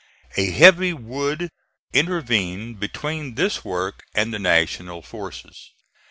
A heavy wood intervened between this work and the National forces.